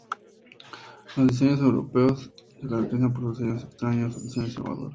Los diseños europeos se caracterizan por sus diseños extraños y sus soluciones innovadoras.